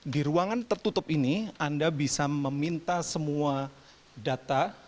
di ruangan tertutup ini anda bisa meminta semua data